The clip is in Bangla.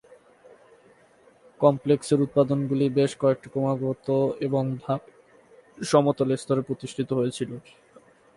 কমপ্লেক্সের উপাদানগুলি বেশ কয়েকটি ক্রমাগত এবং ধাপে সমতল স্তরে প্রতিষ্ঠিত হয়েছিল।